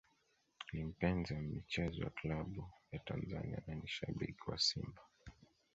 Ni mpenzi wa michezo ya klabu za Tanzania na ni shabiki wa Simba